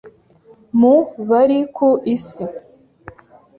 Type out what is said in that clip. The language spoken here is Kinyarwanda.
mu bari ku Isi